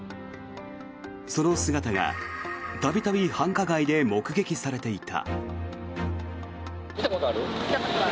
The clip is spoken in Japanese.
その姿が度々、繁華街で目撃されていた。